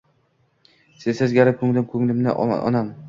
Sensiz garib kunglim kungilmi onam